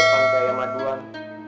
aduh aduh panggaya maduan